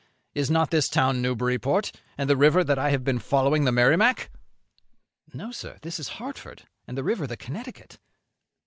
Is not this town Newburyport, and the river that I have been following the Merrimac?" "No, sir; this is Hartford, and the river the Connecticut."